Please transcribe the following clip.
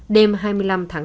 đêm hai mươi năm tháng năm